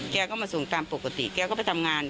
แกก็มาส่งตามปกติแกก็ไปทำงาน